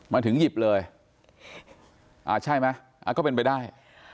มาถึงหยิบเลยใช่ไหมก็เป็นไปได้